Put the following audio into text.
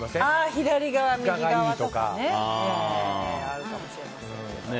左側、右側とかね。